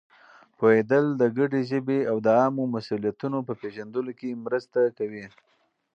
پوهېدل د ګډې ژبې او د عامو مسؤلیتونو په پېژندلو کې مرسته کوي.